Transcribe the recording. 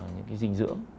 những cái dinh dưỡng